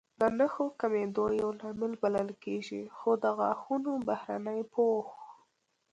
د نښو کمېدو یو لامل بلل کېږي، خو د غاښونو بهرنی پوښ